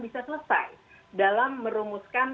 bisa selesai dalam merumuskan